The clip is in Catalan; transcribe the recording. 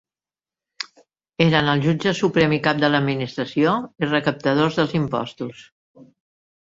Eren el jutge suprem i cap de l'administració, i recaptadors dels impostos.